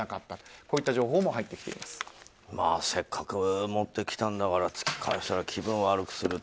こういった情報もせっかく持ってきたんだから突き返したら気分悪くするって。